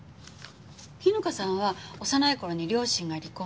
絹香さんは幼い頃に両親が離婚して。